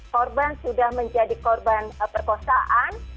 korban sudah menjadi korban perkosaan